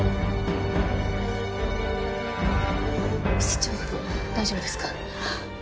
室長大丈夫ですか？